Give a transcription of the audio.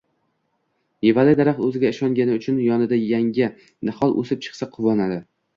Mevali daraxt o’ziga ishongani uchun yonida yangi nihol o’sib chiqsa, quvonadi.